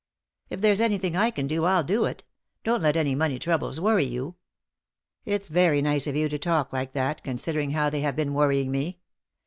"If there's anything I can do I'll do it; don't let any money troubles worry you." " It's very nice of you to talk like that, consider ing how they have been worrying me.